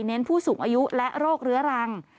เน้นผู้สูงอายุและโรครื้อลัง